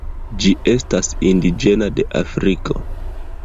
Ĝi estas indiĝena de Afriko.